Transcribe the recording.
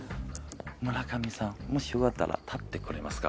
村上さんもしよかったら立ってくれますか。